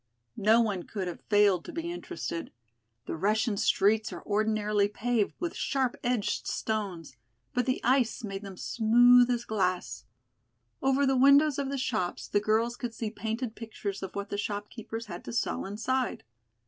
No one could have failed to be interested. The Russian streets are ordinarily paved with sharp edged stones, but the ice made them smooth as glass. Over the windows of the shops the girls could see painted pictures of what the shopkeepers had to sell inside.